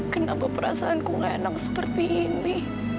kenapa perasaanku gak enak seperti ini